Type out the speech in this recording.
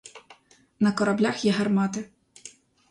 На кораблях є гармати.